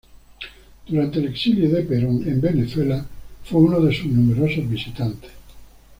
Durante el exilio de Perón en Venezuela fue uno de sus numerosos visitantes.